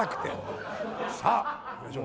さあいきましょう。